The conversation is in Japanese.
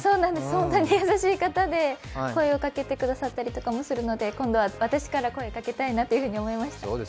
本当に優しい方で、声をかけてくださったりとかもするので、今度は私から声かけたいなと思います。